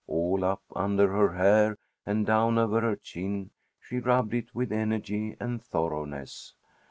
All up under her hair and down over her chin she rubbed it with energy and thoroughness.